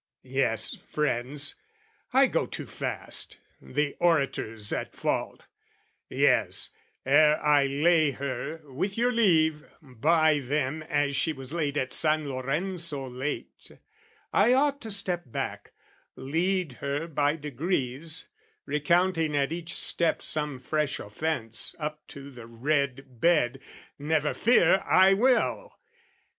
Yes, friends, I go too fast: the orator's at fault: Yes, ere I lay her, with your leave, by them As she was laid at San Lorenzo late, I ought to step back, lead her by degrees, Recounting at each step some fresh offence, Up to the red bed, never fear, I will!